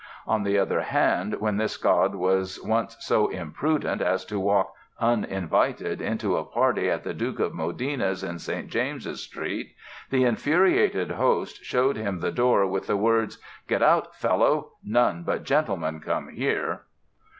On the other hand when this god was once so imprudent as to walk uninvited into a party at the Duke of Modena's in St. James's Street the infuriated host showed him the door with the words: "Get out, fellow! None but gentlemen come here!"